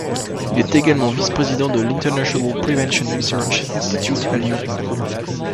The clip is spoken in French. Il est également vice-président de l’International Prevention Research Institute à Lyon.